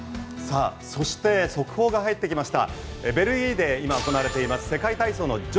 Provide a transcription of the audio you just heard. そして速報が入ってきました。